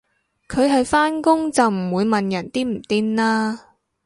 佢係返工就唔會問人癲唔癲啦